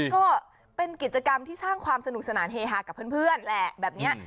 ก็เป็นกิจกรรมที่สร้างความสนุกสนานเฮฮากับเพื่อนแหละแบบนี้